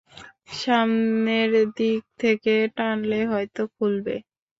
সামনের দিক থেকে টানলে হয়তো খুলবে।